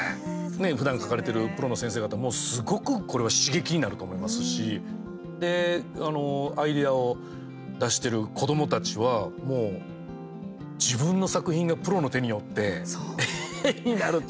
ふだん描かれてるプロの先生方もすごくこれは刺激になると思いますしアイデアを出している子どもたちは、もう自分の作品がプロの手によって絵になるという。